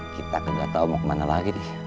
kita gak tau mau kemana lagi